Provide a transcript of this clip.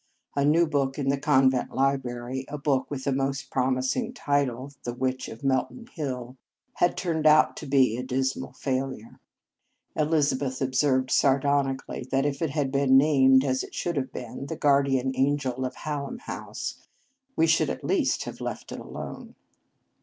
A new book in the convent library, a book with a most promising title, "The Witch of Melton Hill," had turned out to be a dismal 149 In Our Convent Days failure. Elizabeth observed sardoni cally that if it had been named, as it should have been, " The Guardian Angel of Hallam House," we should at least have let it alone.